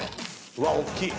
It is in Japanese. うわっおっきい！